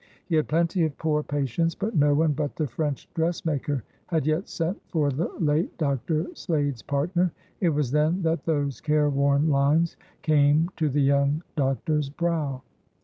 He had plenty of poor patients, but no one but the French dressmaker had yet sent for the late Dr. Slade's partner. It was then that those careworn lines came to the young doctor's brow.